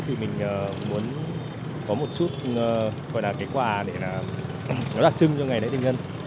thì mình muốn có một chút gọi là cái quà để là nó đặc trưng cho ngày lễ tình nhân